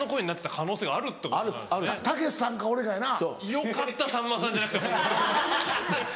よかったさんまさんじゃなくてホント。